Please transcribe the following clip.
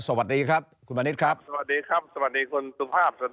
สวัสดีครับคุณมานิดครับสวัสดีครับสวัสดีคุณตุภาพ